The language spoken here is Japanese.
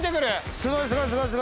すごいすごい。